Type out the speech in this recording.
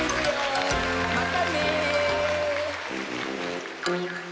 またね。